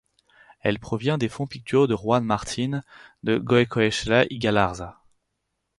Elle provient des fonds picturaux de Juan Martín de Goycoechea y Galarza.